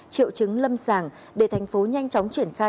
triệu chứng lâm sàng để thành phố nhanh chóng triển khai